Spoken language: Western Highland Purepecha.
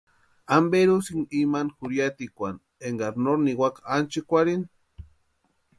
¿Amperi úsïni imani jurhiatikwan énkari no niwaka ánchikwarhini?